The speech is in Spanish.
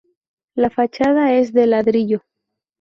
La fachada es de ladrillo.